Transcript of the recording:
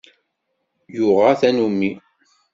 Yuɣa tanummi.